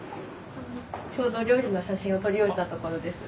ちょうど料理の写真を撮り終えたところです。